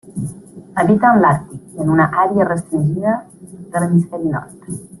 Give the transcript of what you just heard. Habita en l'Àrtic i en una àrea restringida de l'hemisferi nord.